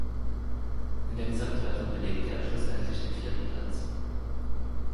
In der Gesamtwertung belegte er schlussendlich den vierten Platz.